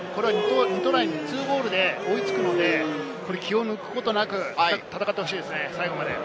２トライ２ゴールで追い付くので、気を抜くことなく戦ってほしいですね、最後まで。